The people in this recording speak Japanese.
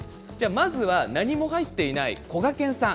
まずは何も入っていないこがけんさん